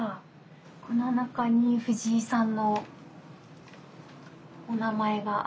この中に藤井さんのお名前がある。